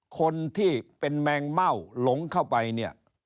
คนที่เป็นแมงเม่าหลงเข้าไปเนี่ย